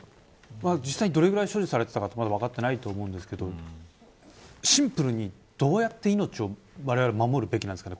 実際どれぐらい所持されていたかはまだ分かってないと思いますがシンプルに、どうやって命をわれわれは守るべきなんですかね。